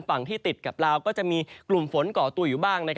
ฝั่งที่ติดกับลาวก็จะมีกลุ่มฝนก่อตัวอยู่บ้าง